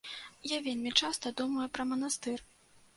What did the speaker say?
Я вельмі часта думаю пра манастыр.